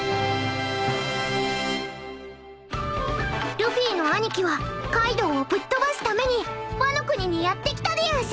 ［ルフィの兄貴はカイドウをぶっ飛ばすためにワノ国にやって来たでやんす］